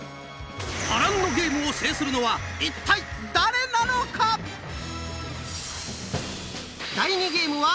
波乱のゲームを制するのは一体誰なのか⁉頑張って！